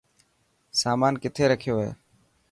سامان ڪٿي رکيو هي.